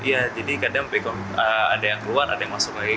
iya jadi kadang ada yang keluar ada yang masuk lagi